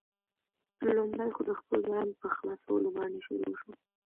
لومړی خو، د خپل بیان په خلاصولو باندې شروع شو.